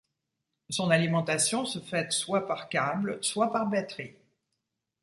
Son alimentation se fait soit par câble soit par batterie.